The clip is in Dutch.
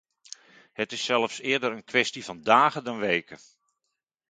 Het is zelfs eerder een kwestie van dagen dan van weken.